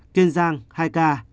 kiên giang hai ca